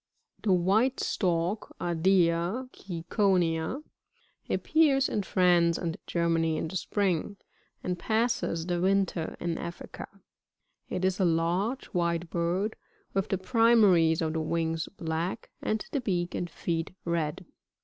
42. The White Stork,— Jrdea ciconia, — (Plate 5, fg. 8.) appears in France and Germany in the spring, and passes the winter in Africa. It is a large, white bird, with the primaries of the wings black, and the beak and feet red.